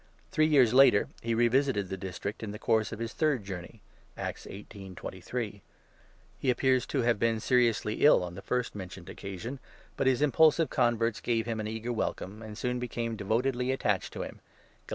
Three years later he re visited the district in the course of his third journey (Acts 1 8. 23). He appears to have been seriously ill on the first mentioned occasion, but his impulsive converts gave him an eager welcome, and soon became devotedly attached to him (Gal.